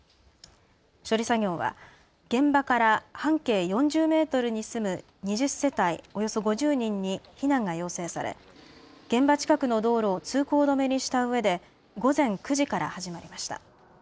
処理作業は現場から半径４０メートルに住む２０世帯およそ５０人に避難が要請され現場近くの道路を通行止めにしたうえで午前９時から始まりました。